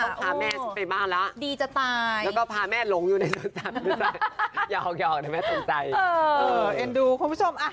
พาแม่ไปบ้านแล้วดีจะตายแล้วก็พาแม่หลงอยู่ในสวนสัตว์